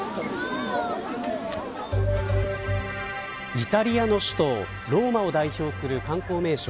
イタリアの首都ローマを代表する観光名所